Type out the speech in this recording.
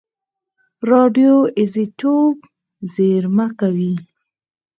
راډیو ایزوتوپ زېرمه کوي.